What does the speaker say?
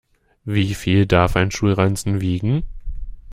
Wie viel darf ein Schulranzen wiegen?